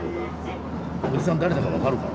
おじさん誰だか分かるか？